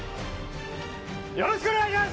よろしくお願いします。